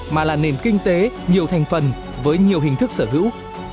mà là nền kinh tế nhiều thành phần với nhiều hình thức sở hữu